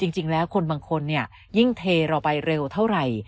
จริงแล้วคนบางคนเนี่ยยิ่งเทเราไปเร็วเท่าไหร่